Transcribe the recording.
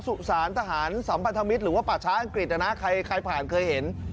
สุสานทหารสัมพันธมิตรหรือว่าป่าช้าอังกฤษนะใครผ่านเคยเห็น